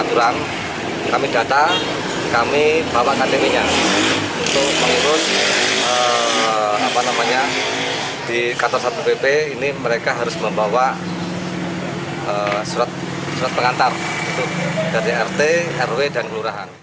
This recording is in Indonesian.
untuk mengurus di kantor satpol pp mereka harus membawa surat pengantar dari rt rw dan gelurahan